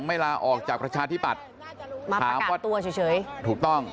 เวลาออกจากประชาธิบัติมาประกาศตัวเฉยถูกต้อง